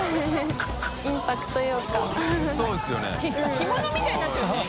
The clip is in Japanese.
干物みたいになってるね。